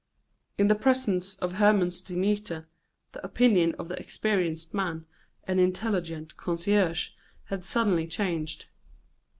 In the presence of Hermon's Demeter, the opinion of the experienced man and intelligent connoisseur had suddenly changed.